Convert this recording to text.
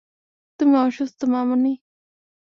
তুমি অসুস্থ, মামণি।